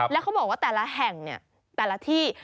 แล้วเขาบอกว่าแต่ละแห่งแต่ละที่